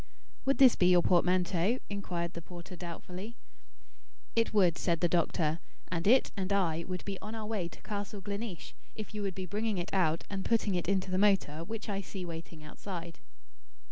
"Would this be your portmanteau?" inquired the porter doubtfully. "It would," said the doctor. "And it and I would be on our way to Castle Gleneesh, if you would be bringing it out and putting it into the motor, which I see waiting outside."